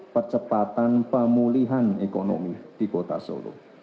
percepatan pemulihan ekonomi di kota solo